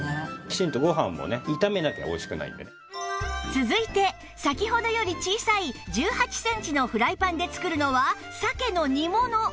続いて先ほどより小さい１８センチのフライパンで作るのは鮭の煮物